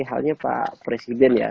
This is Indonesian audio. halnya pak presiden ya